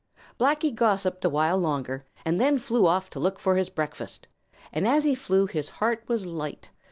Blacky gossiped a while longer, then flew off to look for his breakfast; and as he flew his heart was light.